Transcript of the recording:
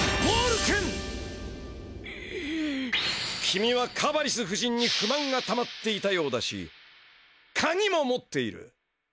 君はカバリス夫人にふまんがたまっていたようだしかぎも持っている。